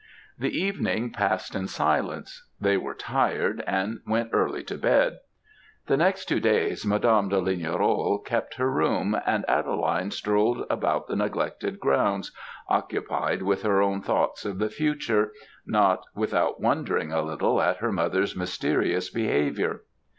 "The evening passed in silence; they were tired, and went early to bed. The next two days, Mdme. de Lignerolles kept her room, and Adeline strolled about the neglected grounds, occupied with her own thoughts of the future, not without wondering a little at her mother's mysterious behaviour.